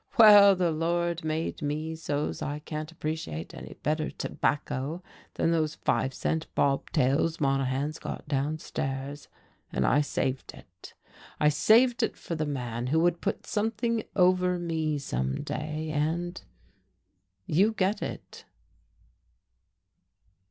Well, the Lord made me so's I can't appreciate any better tobacco than those five cent 'Bobtails' Monahan's got downstairs, and I saved it. I saved it for the man who would put something over me some day, and you get it."